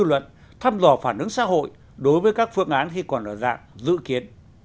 dư luận thăm dò phản ứng xã hội đối với các phương án khi còn ở dạng dự kiến